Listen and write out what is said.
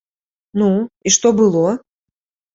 Ну, і што было?